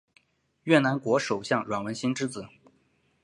越南国首相阮文心之子。